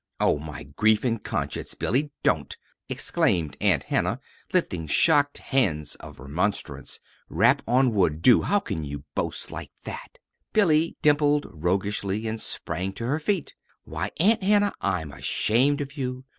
"Oh, my grief and conscience, Billy, don't!" exclaimed Aunt Hannah, lifting shocked hands of remonstrance. "Rap on wood do! How can you boast like that?" Billy dimpled roguishly and sprang to her feet. "Why, Aunt Hannah, I'm ashamed of you!